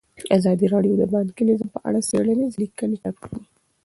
ازادي راډیو د بانکي نظام په اړه څېړنیزې لیکنې چاپ کړي.